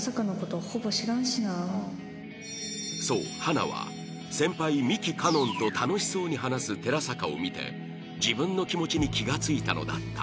そう花は先輩幹カノンと楽しそうに話す寺坂を見て自分の気持ちに気が付いたのだった